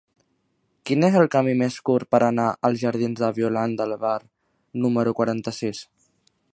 Quin és el camí més curt per anar als jardins de Violant de Bar número quaranta-sis?